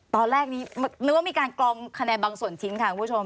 ตอนแรกนี้นึกว่ามีการกรองคะแนนบางส่วนทิ้งค่ะคุณผู้ชม